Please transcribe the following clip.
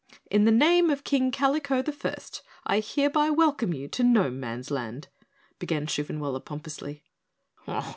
"In the name of King Kalico the First, I hereby welcome you to Gnome Man's Land," began Shoofenwaller pompously.